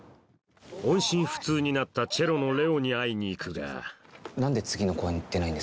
音信不通になったチェロの玲緒に会いに行くが何で次の公演出ないんですか？